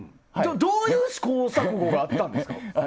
どういう試行錯誤があったんですか？